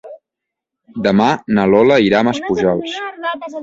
Demà na Lola irà a Maspujols.